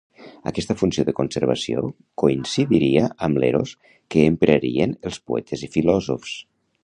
Aquesta funció de conservació coincidiria amb l'eros que emprarien els poetes i filòsofs.